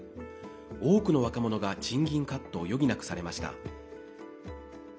多くの若者が賃金カットを余儀なくされました。